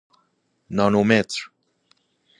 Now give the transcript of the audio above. نانو متر